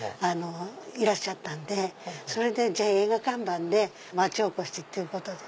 いらっしゃったんでじゃあ映画看板で町をおこすっていうことで。